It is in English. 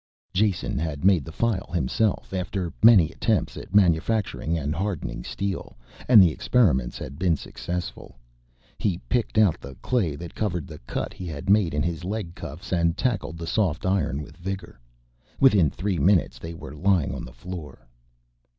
Jason had made the file himself after many attempts at manufacturing and hardening steel, and the experiments had been successful. He picked out the clay that covered the cut he had made in his leg cuffs and tackled the soft iron with vigor; within three minutes they were lying on the floor.